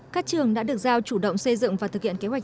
các trường đã được giao chủ động xây dựng và thực hiện kế hoạch